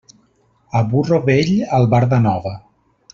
A burro vell, albarda nova.